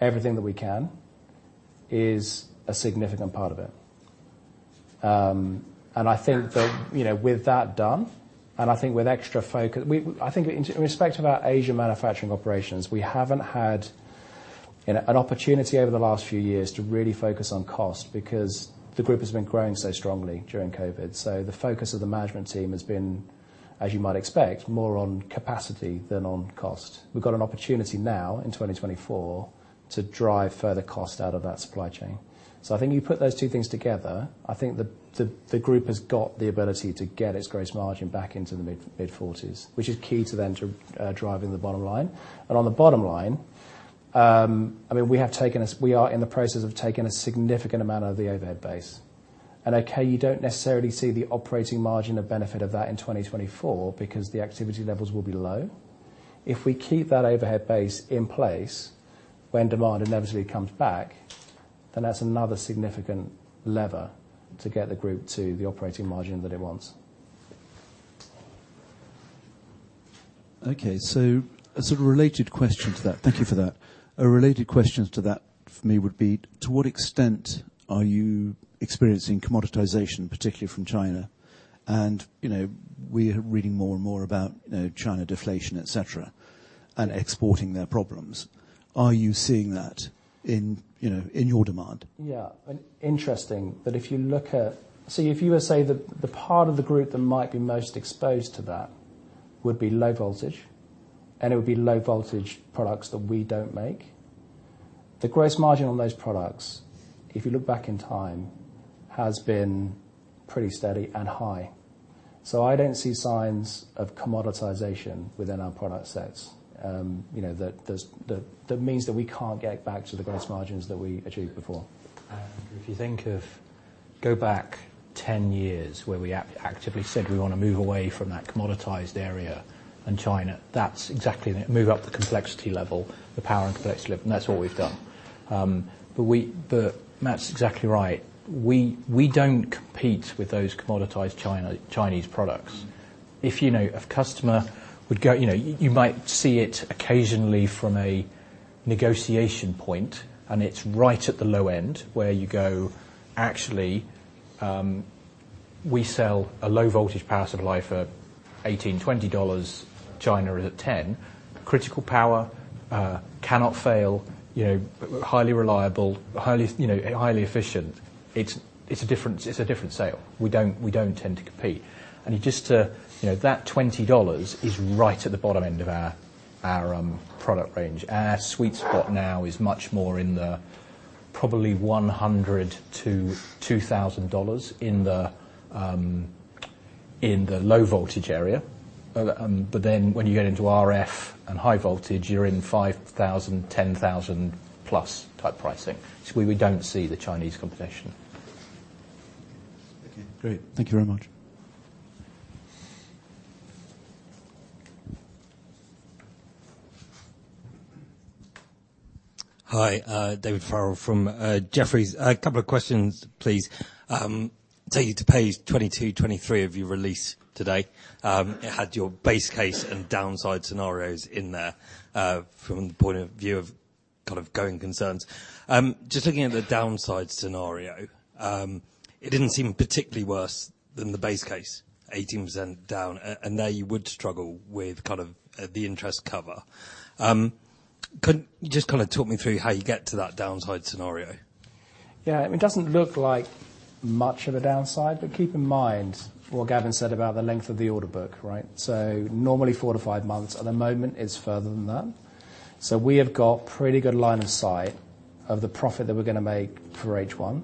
everything that we can, is a significant part of it.... and I think that, you know, with that done, and I think with extra focus, I think in respect to our Asia manufacturing operations, we haven't had, you know, an opportunity over the last few years to really focus on cost because the group has been growing so strongly during COVID. So the focus of the management team has been, as you might expect, more on capacity than on cost. We've got an opportunity now, in 2024, to drive further cost out of that supply chain. So I think you put those two things together, I think the group has got the ability to get its gross margin back into the mid-forties, which is key to then driving the bottom line. On the bottom line, I mean, we are in the process of taking a significant amount of the overhead base. Okay, you don't necessarily see the operating margin, the benefit of that in 2024, because the activity levels will be low. If we keep that overhead base in place, when demand inevitably comes back, then that's another significant lever to get the group to the operating margin that it wants. Okay, so a sort of related question to that. Thank you for that. A related question to that for me would be: to what extent are you experiencing commoditization, particularly from China? And, you know, we are reading more and more about, you know, China deflation, et cetera, and exporting their problems. Are you seeing that in, you know, in your demand? Yeah. Interesting that if you look at... So if you were to say the part of the group that might be most exposed to that would be low voltage, and it would be low-voltage products that we don't make. The gross margin on those products, if you look back in time, has been pretty steady and high. So I don't see signs of commoditization within our product sets. You know, that that means that we can't get back to the gross margins that we achieved before. If you think of, go back 10 years, where we actively said we want to move away from that commoditized area in China, that's exactly it, move up the complexity level, the power and complexity, and that's what we've done. But Matt's exactly right. We, we don't compete with those commoditized China, Chinese products. If, you know, a customer would go, you know, you might see it occasionally from a negotiation point, and it's right at the low end, where you go, actually, we sell a low-voltage power supply for $18-$20, China is at $10. Critical power, cannot fail, you know, highly reliable, highly, you know, highly efficient. It's, it's a different, it's a different sale. We don't, we don't tend to compete. Just to, you know, that $20 is right at the bottom end of our product range. Our sweet spot now is much more in the probably $100-$2,000 in the low-voltage area. But then when you get into RF and high voltage, you're in $5,000, $10,000+ type pricing. So we don't see the Chinese competition. Okay, great. Thank you very much. Hi, David Farrell from Jefferies. A couple of questions, please. Take you to page 22, 23 of your release today. It had your base case and downside scenarios in there, from the point of view of kind of going concerns. Just looking at the downside scenario, it didn't seem particularly worse than the base case, 18% down, and there you would struggle with kind of the interest cover. Could you just kind of talk me through how you get to that downside scenario? Yeah, it doesn't look like much of a downside, but keep in mind what Gavin said about the length of the order book, right? So normally, four to five months, at the moment, it's further than that. So we have got pretty good line of sight of the profit that we're gonna make for H1,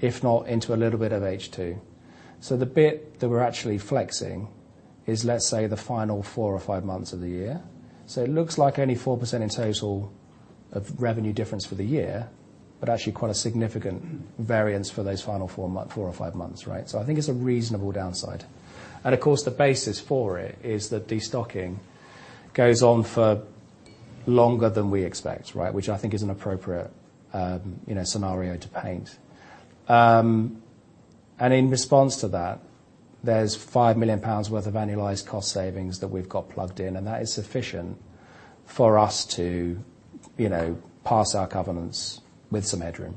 if not into a little bit of H2. So the bit that we're actually flexing is, let's say, the final four or five months of the year. So it looks like only 4% in total of revenue difference for the year, but actually quite a significant variance for those final four or five months, right? So I think it's a reasonable downside. And of course, the basis for it is that destocking goes on for longer than we expect, right? Which I think is an appropriate, you know, scenario to paint. In response to that, there's 5 million pounds worth of annualized cost savings that we've got plugged in, and that is sufficient for us to, you know, pass our covenants with some headroom.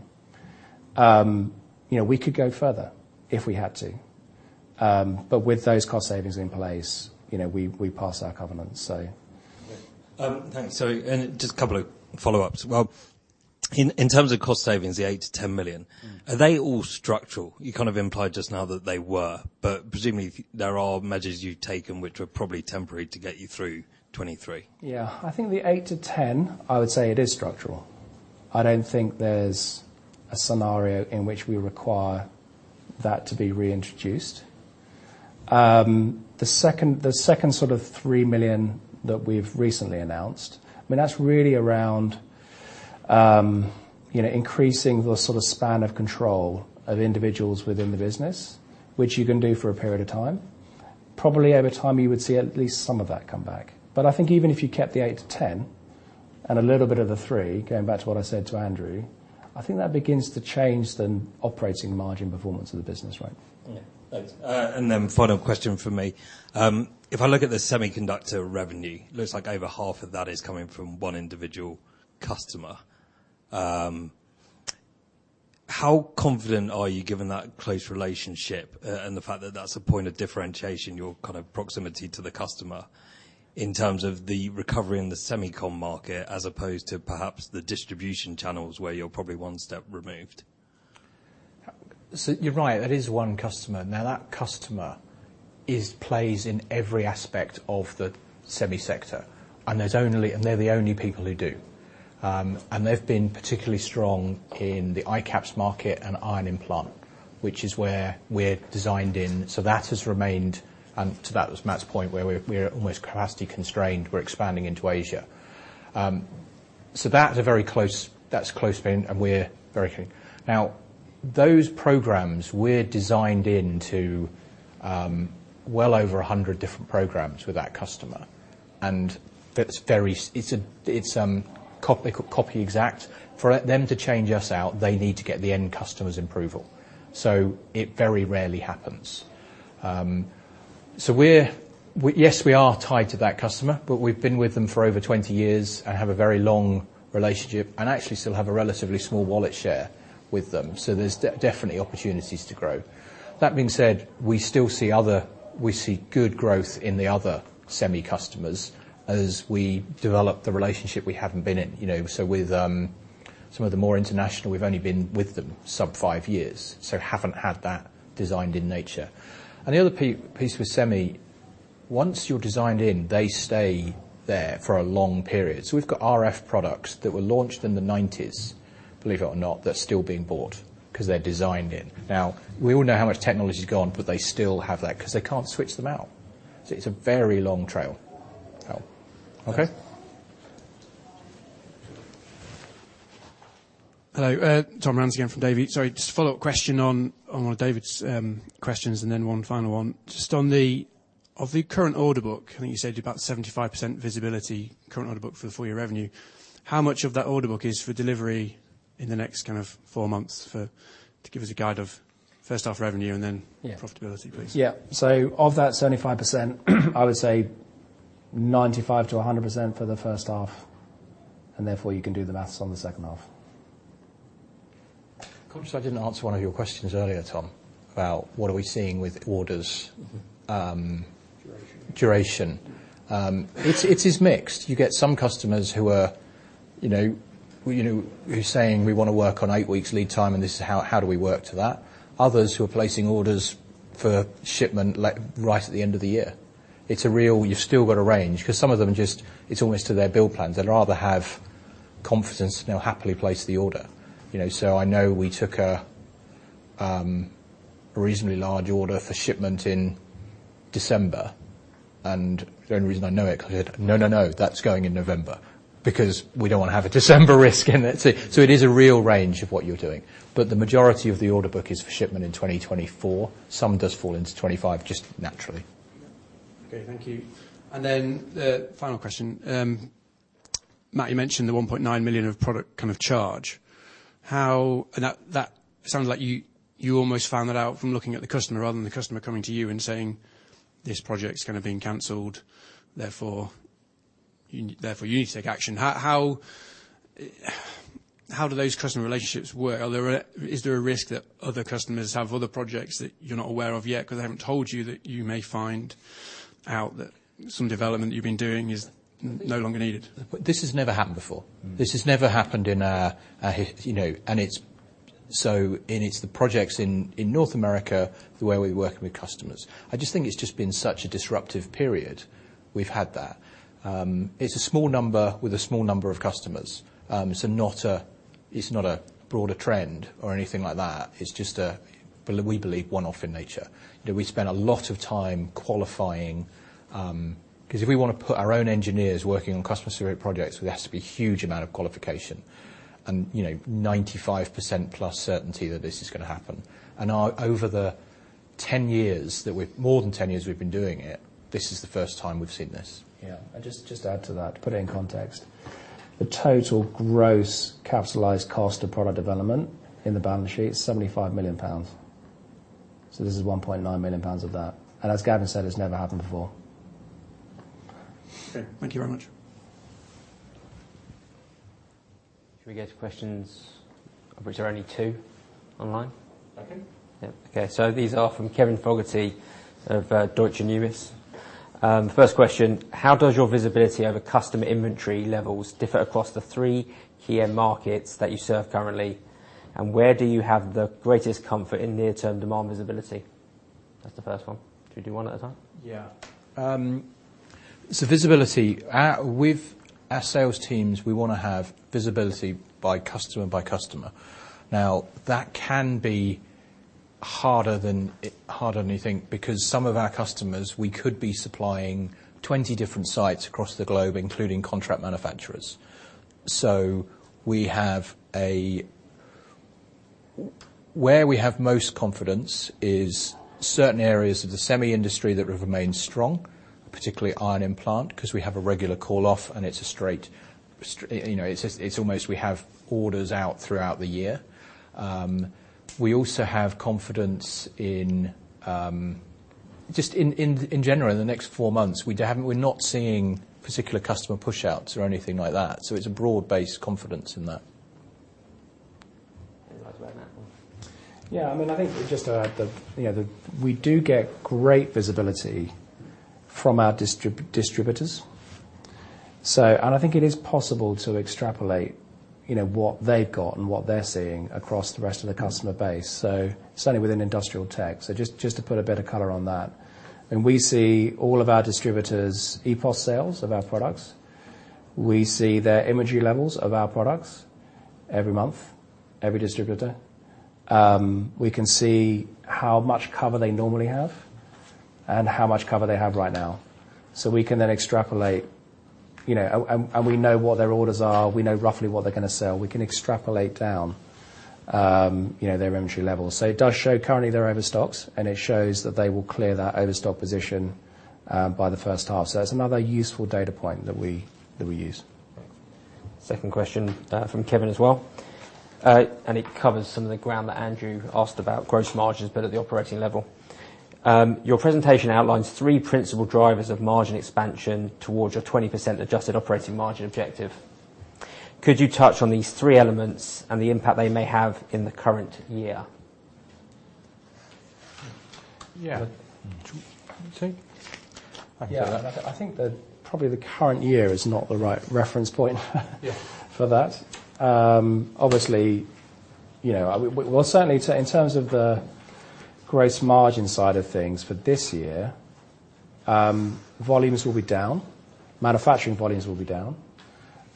You know, we could go further if we had to. With those cost savings in place, you know, we, we pass our covenants, so. Thanks. So, just a couple of follow-ups. Well, in terms of cost savings, the 8 million-10 million- Mm. Are they all structural? You kind of implied just now that they were, but presumably, there are measures you've taken which are probably temporary to get you through 2023. Yeah. I think the 8-10, I would say it is structural. I don't think there's a scenario in which we require that to be reintroduced. The second, the second sort of 3 million that we've recently announced, I mean, that's really around, you know, increasing the sort of span of control of individuals within the business, which you can do for a period of time. Probably over time, you would see at least some of that come back. But I think even if you kept the 8-10, and a little bit of the 3, going back to what I said to Andrew, I think that begins to change the operating margin performance of the business, right? Yeah. Thanks. And then final question from me. If I look at the semiconductor revenue, looks like over half of that is coming from one individual customer. ... how confident are you, given that close relationship, and the fact that that's a point of differentiation, your kind of proximity to the customer, in terms of the recovery in the semicon market, as opposed to perhaps the distribution channels, where you're probably one step removed? So you're right, that is one customer. Now, that customer plays in every aspect of the semi sector, and there's only-- and they're the only people who do. And they've been particularly strong in the ICAPS market and ion implant, which is where we're designed in, so that has remained. And to that, Matt's point, where we're almost capacity constrained. We're expanding into Asia. So that is a very close. That's close, and we're very clear. Now, those programs we're designed into, well over 100 different programs with that customer, and that's very-- it's a, it's copy, Copy Exact. For them to change us out, they need to get the end customer's approval, so it very rarely happens. So we're—yes, we are tied to that customer, but we've been with them for over 20 years and have a very long relationship, and actually still have a relatively small wallet share with them, so there's definitely opportunities to grow. That being said, we still see other—we see good growth in the other semi customers as we develop the relationship we haven't been in. You know, so with some of the more international, we've only been with them sub 5 years, so haven't had that designed-in nature. And the other piece with semi, once you're designed in, they stay there for a long period. So we've got RF products that were launched in the 1990s, believe it or not, that are still being bought, 'cause they're designed in. Now, we all know how much technology's gone, but they still have that, 'cause they can't switch them out. So it's a very long tail. Oh, okay? Hello, Tom Ransome from Davy. Sorry, just a follow-up question on, on David's questions, and then one final one. Just on the of the current order book, I think you said about 75% visibility, current order book for the full year revenue. How much of that order book is for delivery in the next kind of four months for to give us a guide of first half revenue and then- Yeah. -profitability, please? Yeah. So of that 75%, I would say 95%-100% for the first half, and therefore, you can do the math on the second half. Of course, I didn't answer one of your questions earlier, Tom, about what are we seeing with orders, Duration. It's mixed. You get some customers who are, you know, you know, saying, "We wanna work on eight weeks lead time, and this is how—how do we work to that?" Others who are placing orders for shipment, like, right at the end of the year. It's a real... You've still got a range, 'cause some of them are just, it's almost to their bill plans. They'd rather have confidence and they'll happily place the order. You know, so I know we took a, a reasonably large order for shipment in December, and the only reason I know it, 'cause I said, "No, no, no, that's going in November," because we don't want to have a December risk in it. So it is a real range of what you're doing, but the majority of the order book is for shipment in 2024. Some does fall into 2025 just naturally. Okay, thank you. And then the final question: Matt, you mentioned the 1.9 million of product kind of charge. And that, that sounds like you, you almost found that out from looking at the customer, rather than the customer coming to you and saying, "This project's gonna being canceled, therefore, you, therefore, you need to take action." How, how, how do those customer relationships work? Is there a risk that other customers have other projects that you're not aware of yet, because they haven't told you, that you may find out that some development you've been doing is no longer needed? This has never happened before. Mm-hmm. This has never happened in our. You know, and it's so, and it's the projects in North America, the way we work with customers. I just think it's just been such a disruptive period, we've had that. It's a small number with a small number of customers. It's not a broader trend or anything like that. It's just a, we believe, one-off in nature. You know, we spend a lot of time qualifying, 'cause if we wanna put our own engineers working on customer-centric projects, there has to be a huge amount of qualification and, you know, 95% plus certainty that this is gonna happen. And over more than 10 years we've been doing it, this is the first time we've seen this. Yeah, and just, just to add to that, to put it in context, the total gross capitalized cost of product development in the balance sheet is 75 million pounds. So this is 1.9 million pounds of that, and as Gavin said, it's never happened before. Okay. Thank you very much. Should we go to questions, of which there are only two online? Okay. Yep. Okay, so these are from Kevin Fogarty of Deutsche Numis. First question: How does your visibility over customer inventory levels differ across the three key end markets that you serve currently, and where do you have the greatest comfort in near-term demand visibility? That's the first one. Should we do one at a time? Yeah. So visibility. Our, with our sales teams, we wanna have visibility by customer and by customer. Now, that can be harder than, harder than you think, because some of our customers, we could be supplying 20 different sites across the globe, including contract manufacturers. So we have a... Where we have most confidence is certain areas of the semi industry that have remained strong, particularly ion implant, 'cause we have a regular call-off, and it's a straight. You know, it's just, it's almost we have orders out throughout the year. We also have confidence in... Just in general, in the next four months, we haven't-- we're not seeing particular customer push-outs or anything like that, so it's a broad-based confidence in that. Any thoughts about that one? Yeah, I mean, I think just to add that, you know, that we do get great visibility from our distributors, so. And I think it is possible to extrapolate, you know, what they've got and what they're seeing across the rest of the customer base, so certainly within industrial tech. So just to put a bit of color on that, and we see all of our distributors' EPOS sales of our products. We see their inventory levels of our products every month, every distributor. We can see how much cover they normally have and how much cover they have right now. So we can then extrapolate, you know, and we know what their orders are, we know roughly what they're gonna sell. We can extrapolate down, you know, their inventory levels. So it does show currently their overstocks, and it shows that they will clear that overstock position by the first half. So that's another useful data point that we use. Second question, from Kevin as well. It covers some of the ground that Andrew asked about gross margins, but at the operating level. Your presentation outlines three principal drivers of margin expansion towards your 20% adjusted operating margin objective. Could you touch on these three elements and the impact they may have in the current year? Yeah. Do you want to...? I can do that. Yeah, I think that probably the current year is not the right reference point - Yeah... for that. Obviously, you know, well, certainly, in terms of the gross margin side of things, for this year, volumes will be down, manufacturing volumes will be down,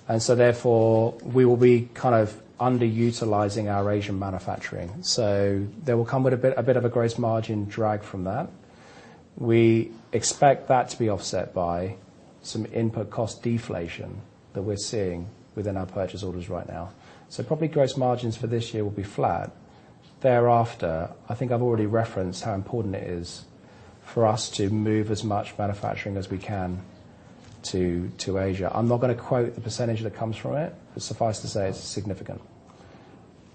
and so therefore, we will be kind of underutilizing our Asian manufacturing. So there will come with a bit of a gross margin drag from that. We expect that to be offset by some input cost deflation that we're seeing within our purchase orders right now. So probably gross margins for this year will be flat. Thereafter, I think I've already referenced how important it is for us to move as much manufacturing as we can to Asia. I'm not gonna quote the percentage that comes from it, but suffice to say, it's significant.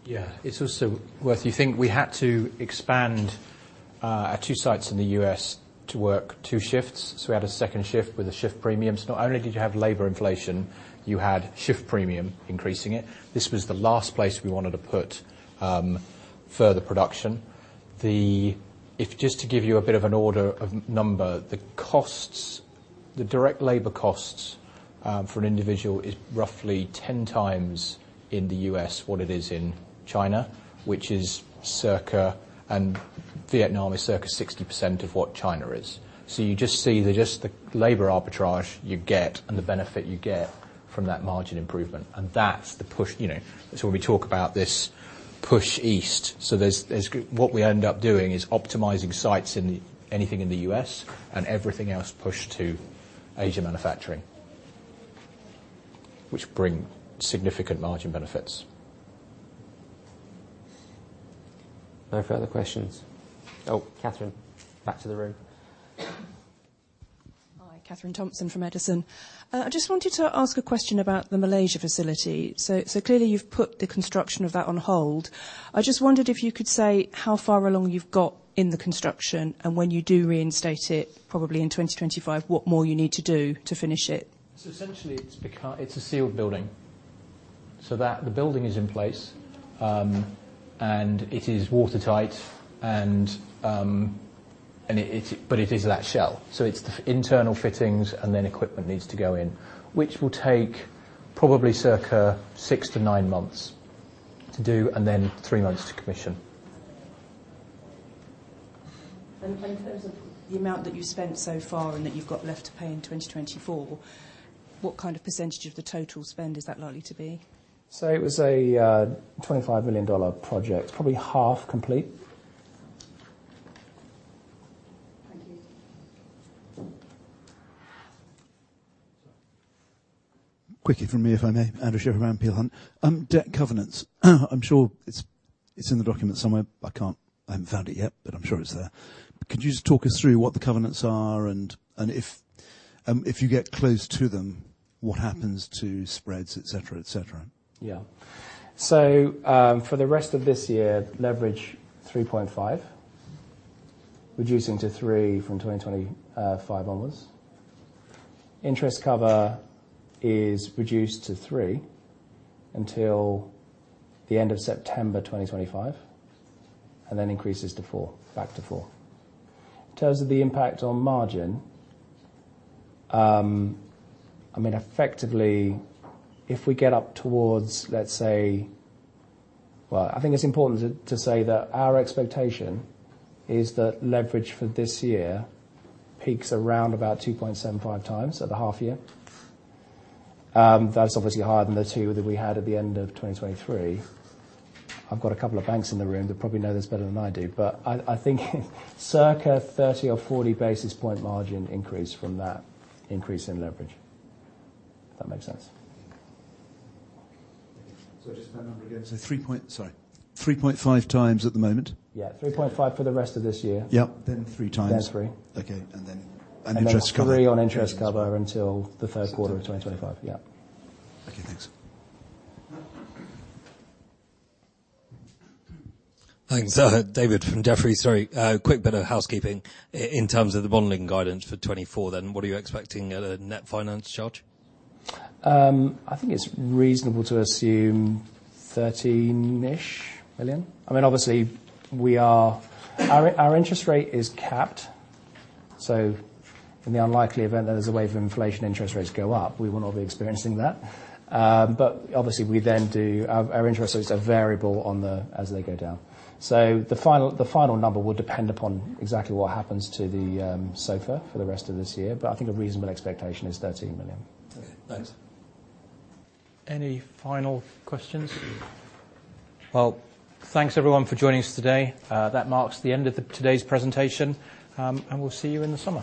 Yeah. It's also worth, you think we had to expand, our 2 sites in the U.S. to work 2 shifts, so we had a second shift with a shift premium. So not only did you have labor inflation, you had shift premium increasing it. This was the last place we wanted to put, further production. If just to give you a bit of an order of number, the costs, the direct labor costs, for an individual is roughly 10 times in the U.S. what it is in China, which is circa, and Vietnam is circa 60% of what China is. So you just see the, just the labor arbitrage you get and the benefit you get from that margin improvement, and that's the push, you know, so when we talk about this push east. So, what we end up doing is optimizing sites in anything in the US and everything else pushed to Asia manufacturing, which bring significant margin benefits. No further questions. Oh, Catherine, back to the room. Hi, Catherine Thompson from Edison. I just wanted to ask a question about the Malaysia facility. So, so clearly, you've put the construction of that on hold. I just wondered if you could say how far along you've got in the construction, and when you do reinstate it, probably in 2025, what more you need to do to finish it? So essentially, it's a sealed building, so that the building is in place, and it is watertight, and it, but it is that shell. So it's the internal fittings and then equipment needs to go in, which will take probably circa 6-9 months to do and then 3 months to commission. In terms of the amount that you've spent so far and that you've got left to pay in 2024, what kind of percentage of the total spend is that likely to be? It was a $25 million project, probably half complete. Thank you. Quickie from me, if I may. Andrew Shepherd, Peel Hunt. Debt covenants, I'm sure it's, it's in the document somewhere. I can't, I haven't found it yet, but I'm sure it's there. Could you just talk us through what the covenants are, and, and if, if you get close to them, what happens to spreads, et cetera, et cetera? Yeah. So, for the rest of this year, leverage 3.5, reducing to 3 from 2025 onwards. Interest cover is reduced to 3 until the end of September 2025, and then increases to 4, back to 4. In terms of the impact on margin, I mean, effectively, if we get up towards, let's say... Well, I think it's important to say that our expectation is that leverage for this year peaks around about 2.75 times at the half year. That's obviously higher than the 2 that we had at the end of 2023. I've got a couple of banks in the room that probably know this better than I do, but I think circa 30 or 40 basis point margin increase from that increase in leverage, if that makes sense. So just that number again. So 3.5 times at the moment? Yeah, 3.5 for the rest of this year. Yeah, then 3 times. Then three. Okay, and then an interest cover- And then 3 on interest cover until the third quarter of 2025. Yeah. Okay, thanks. Thanks. David from Jefferies. Sorry, a quick bit of housekeeping. In terms of the modeling guidance for 2024, then, what are you expecting at a net finance charge? I think it's reasonable to assume $13-ish million. I mean, obviously, our interest rate is capped, so in the unlikely event that there's a wave of inflation, interest rates go up, we will not be experiencing that. But obviously, our interest rates are variable as they go down. So the final number will depend upon exactly what happens to the SOFR for the rest of this year, but I think a reasonable expectation is $13 million. Okay, thanks. Any final questions? Well, thanks, everyone, for joining us today. That marks the end of today's presentation, and we'll see you in the summer.